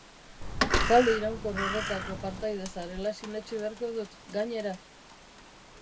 Talde Iraunkor horretako partaide zarela sinetsi beharko dut, gainera.